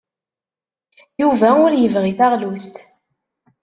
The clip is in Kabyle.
Yuba ur yebɣi taɣlust.